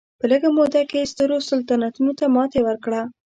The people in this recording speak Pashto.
په لږه موده کې یې سترو سلطنتونو ته ماتې ورکړه.